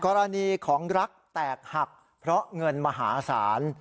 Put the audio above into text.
กรณีของรักแตกหักเพราะเงินมหาศาล